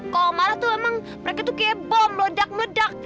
kalo marah tuh emang mereka tuh kayak bom meledak meledak